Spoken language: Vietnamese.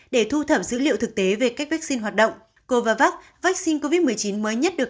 để thu thẩm dữ liệu thực tế về cách vaccine hoạt động covavax vaccine covid một mươi chín mới nhất được